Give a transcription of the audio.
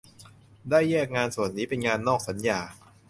ได้แยกงานส่วนนี้เป็นงานนอกสัญญา